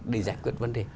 để giải quyết vấn đề